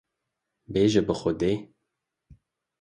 Bêje bi xwedê